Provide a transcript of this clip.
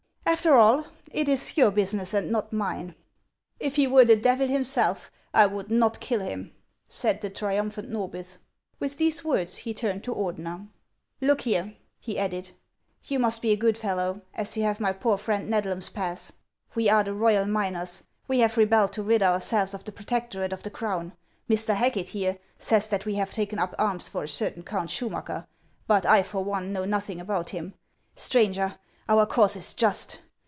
After all, it is your business, and not mine." " If he were the Devil himself I would not kill him," said the triumphant Xorbith. 350 HANS OF ICELAND. With these words he turned to Ordener. " Look here," he added, " you must be a good fellow as you have my poor friend ISTedlani's pass. We are the royal miners. We have rebelled to rid ourselves of the protectorate of the Crown. Mr. Haeket, here, says that we have taken up arms for a certain Count Schumacker; but I for one know nothing about him. Stranger, our cause is just.